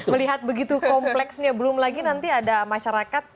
melihat begitu kompleksnya belum lagi nanti ada masyarakat